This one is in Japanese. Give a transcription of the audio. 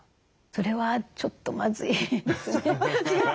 それはちょっとまずいですね。